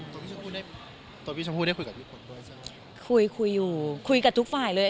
ตัวพี่ชมพู่ได้ตัวพี่ชมพู่ได้คุยกับทุกคนด้วยใช่ไหมคุยคุยอยู่คุยกับทุกฝ่ายเลย